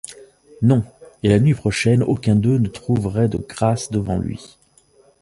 Non! et, la nuit prochaine, aucun d’eux ne trouverait grâce devant lui.